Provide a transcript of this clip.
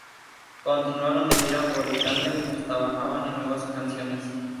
Continuaron de gira por Islandia mientras trabajaban en nuevas canciones.